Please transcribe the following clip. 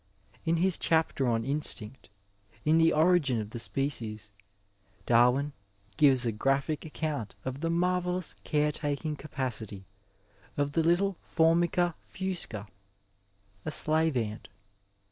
In his chapter on Instinct, in the Origin of the Species, Dar win gives a graphic account of the marvellous care taking capacity of the little Formica fusca — a slave ant.